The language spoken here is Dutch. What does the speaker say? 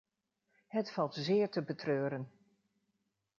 Het valt zeer te betreuren.